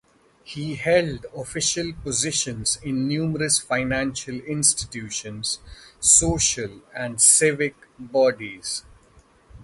He held official positions in numerous financial institutions, social, and civic bodies.